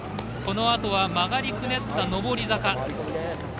このあとは曲がりくねった上り坂。